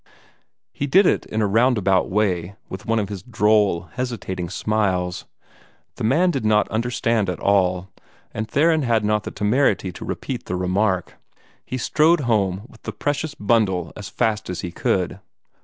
He did it in a roundabout way, with one of his droll, hesitating smiles. The man did not understand at all, and Theron had not the temerity to repeat the remark. He strode home with the precious bundle as fast as he could.